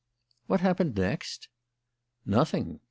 "What happened next?" "Nothing.